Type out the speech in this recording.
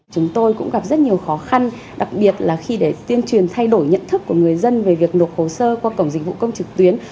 chúng tôi cũng gặp rất nhiều khó khăn đặc biệt là khi để tuyên truyền thay đổi nhận thức của người dân về việc nộp hồ sơ qua cổng dịch vụ công trực tuyến